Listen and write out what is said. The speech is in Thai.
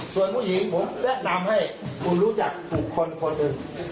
ส่วนผู้หญิงผมแนะนำให้คุณรู้จักบุคคลคนหนึ่ง